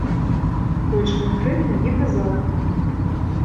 Больш канкрэтна не казаў.